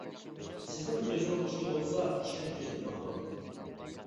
سىزنىڭ كۆزىڭىز ئىككى بولسا، كىشىنىڭ كۆزى مىڭدۇر.